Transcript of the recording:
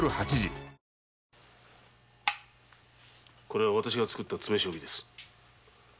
これは私が考えた詰め将棋です。